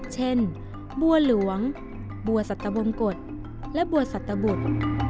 เช่นบัวหลวงบัวสัตวบงกฎและบัวสัตวบุตร